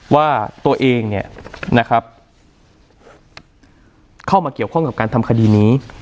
ว่าตัวเองเข้ามาเกี่ยวข้องกับการทำคดีนี้